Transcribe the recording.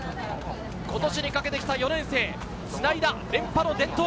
今年にかけてきた４年生、つないだ連覇の伝統。